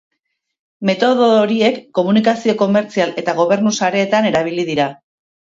Metodo horiek komunikazio komertzial eta gobernu sareetan erabili dira.